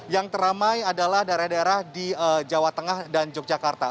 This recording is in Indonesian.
yang teramai adalah daerah daerah di jawa tengah dan yogyakarta